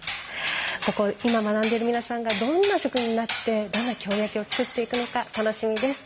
今、学んでいる皆さんがどんな職人になってどんな京焼を作っていくのか楽しみです。